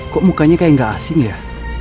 kok mukanya kayak gak asing ya